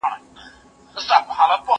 زه اجازه لرم چي مکتب ته لاړ شم!